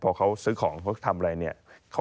พอเขาซื้อของเขาทำอะไรเนี่ย